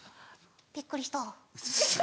びっくりした。